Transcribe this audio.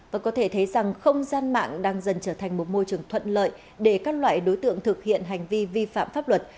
và có thể thấy rằng không gian mạng đang dần trở thành một môi trường thuận lợi để các loại đối tượng thực hiện hành vi vi phạm pháp luật